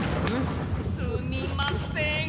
すみません。